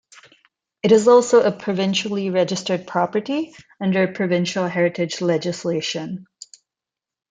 It is also a Provincially Registered Property under provincial heritage legislation.